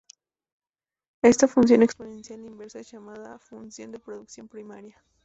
Esta función exponencial inversa es llamada función de producción primaria.